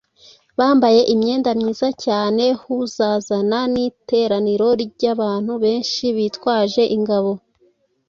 bambaye imyenda myiza cyane h uzazana n iteraniro ry abantu benshi bitwaje ingabo